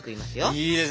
いいですね。